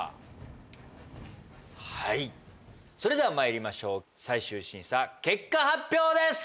はいそれではまいりましょう最終審査結果発表です！